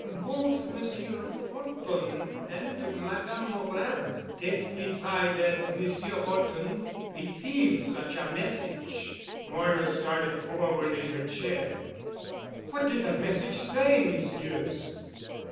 "Both Monsieur Horton and Madame Morin testify that Monsieur Horton received such a message." Moira started forward in her chair. "What did that message say, Messieurs?"